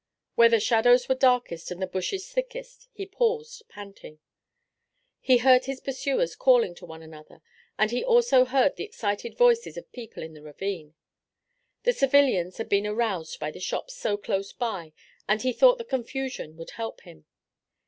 Where the shadows were darkest and the bushes thickest he paused panting. He heard his pursuers calling to one another, and he also heard the excited voices of people in the ravine. The civilians had been aroused by the shots so close by and he thought the confusion would help him.